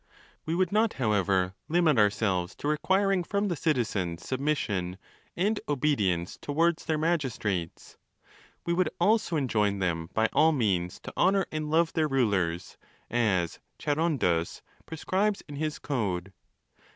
We would not, however, limit ourselves to requiring from the citizens submission and obedience towards their magis trates; we would also enjom them by all means to honour and love their rulers, as Charondas prescribes in his code.